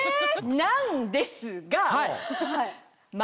なんですが。